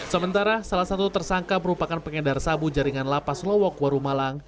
sementara salah satu tersangka merupakan pengedar sabu jaringan lapas lowok warumalang